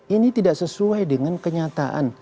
ini tidak sesuai dengan kenyataan